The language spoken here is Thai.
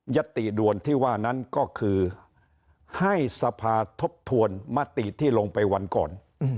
ติด่วนที่ว่านั้นก็คือให้สภาทบทวนมติที่ลงไปวันก่อน